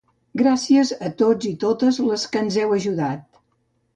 Gràcies a tots i totes les que ens heu ajudat.